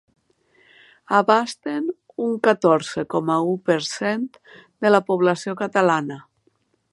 Abasten un catorze coma u per cent de la població catalana.